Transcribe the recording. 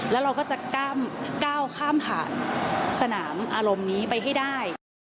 แล้วเราก็จะก้าวข้ามผ่านสนามอารมณ์นี้ไปให้ได้